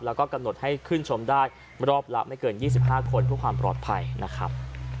แล้วก็กำหนดให้ขึ้นชมได้รอบละไม่เกิน๒๕คนเพื่อความปลอดภัยนะครับ